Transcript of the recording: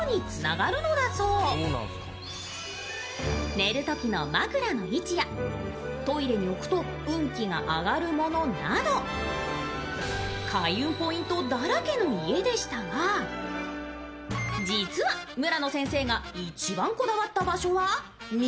練るときの枕の位置やトイレに置くと運気が上がるものなど、開運ポイントだらけの家でしたが、実は村野先生が一番こだわった場所は庭。